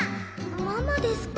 ママですか。